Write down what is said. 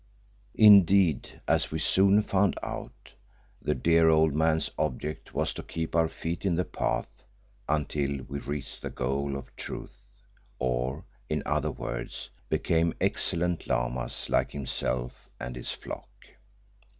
Indeed, as we soon found out, the dear old man's object was to keep our feet in the Path until we reached the goal of Truth, or, in other words, became excellent Lamas like himself and his flock.